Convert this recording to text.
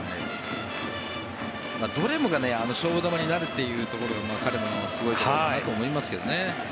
どれもが勝負球になるというところが彼のすごいところだなと思いますけどね。